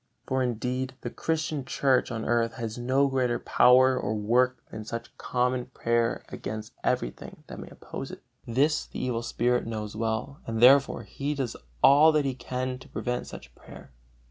For, indeed, the Christian Church on earth has no greater power or work than such common prayer against everything that may oppose it. This the evil spirit knows well, and therefore he does all that he can to prevent such prayer.